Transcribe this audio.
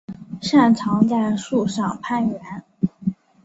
擅长在树上攀援。